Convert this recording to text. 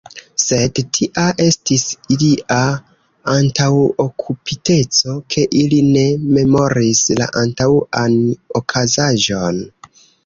Sed tia estis ilia antaŭokupiteco, ke ili ne memoris la antaŭan okazaĵon.